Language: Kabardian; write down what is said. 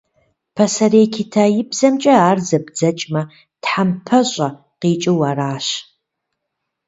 Пасэрей китаибзэмкӏэ ар зэбдзэкӏмэ, «тхьэмпэщӏэ» къикӏыу аращ.